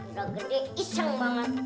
udah gede iseng banget